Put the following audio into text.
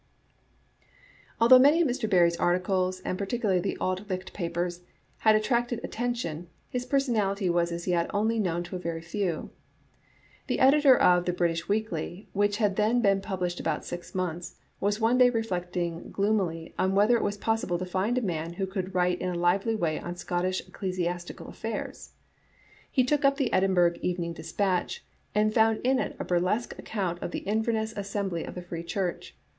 Although many of Mr. Barrie's articles, and particu larly the Auld Licht papers, had attracted attention, his personality was as yet only known to a very few. The editor of The British Weekly^ which had then been published about six months, was one day reflecting gloomily on whether it was possible to find a man who could write in a lively way on Scottish ecclesiastical affairs. He took up the Edinburgh Evening Dispatch^ and found in it a burlesque account of the Inverness Assembly of the Free Church.